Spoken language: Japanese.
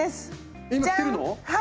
今着てるの？